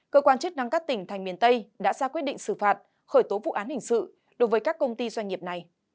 cơ quan chức năng các tỉnh thành miền tây đã ra quyết định xử phạt khởi tố vụ án hình sự đối với các công ty doanh nghiệp này